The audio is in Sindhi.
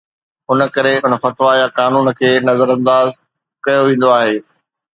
ان ڪري ان فتويٰ يا قانون کي نظرانداز ڪيو ويندو آهي